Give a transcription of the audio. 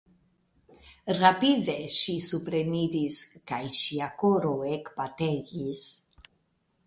Rapide ŝi supreniris kaj ŝia koro ekbategis.